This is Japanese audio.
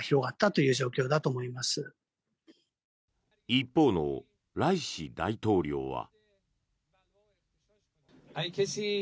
一方のライシ大統領は。